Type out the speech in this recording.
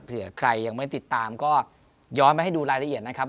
ใครยังไม่ติดตามก็ย้อนไปให้ดูรายละเอียดนะครับ